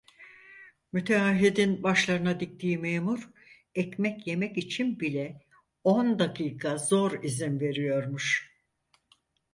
Müteahhidin başlarına diktiği memur ekmek yemek için bile on dakika zor izin veriyormuş.